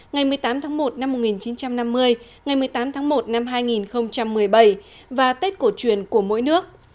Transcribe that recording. ngày một mươi tám tháng một năm một nghìn chín trăm năm mươi ngày một mươi tám tháng một năm hai nghìn một mươi bảy và tết cổ truyền của mỗi nước